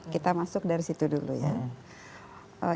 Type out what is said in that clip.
kita masuk dari situ dulu ya